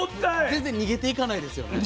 全然逃げていかないですよね？